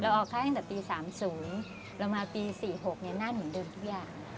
เราออกค่ายตั้งแต่ปีสามศูนย์เรามาปีสี่หกเนี้ยน่านเหมือนเดิมทุกอย่าง